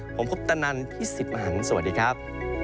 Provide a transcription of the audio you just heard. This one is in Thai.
ผมพุทธนันท์พี่สิทธิ์มหันสวัสดีครับ